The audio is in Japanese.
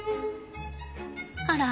あら。